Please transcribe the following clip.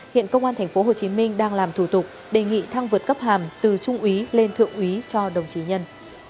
hiện công an tp hcm đang làm thủ tục đề nghị thăng vượt cấp hàm từ trung úy lên thượng úy cho đồng chí nhân